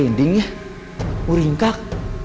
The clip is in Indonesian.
kaya ada yang mendekat